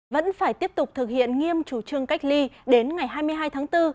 vẫn phải tiếp tục thực hiện nghiêm chủ trương cách ly đến ngày hai mươi hai tháng bốn